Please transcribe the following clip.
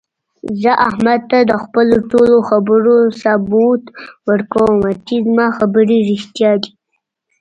زه احمد ته د خپلو ټولو خبرو ثبوت ورکوم، چې زما خبرې رښتیا دي.